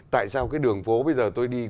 tại sao đường phố bây giờ tôi đi